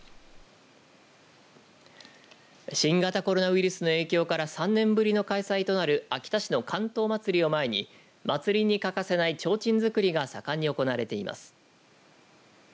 新型コロナウイルスの影響から３年ぶりの開催となる秋田市の竿燈まつりを前に祭りに欠かせないちょうちん作りが盛んに行われています。